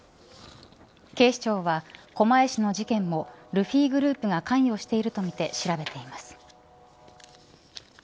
警視庁は狛江市の事件もルフィグループが関与しているとみて調べています。